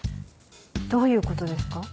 どういうことですか？